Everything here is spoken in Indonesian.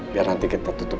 biar nanti kita tutup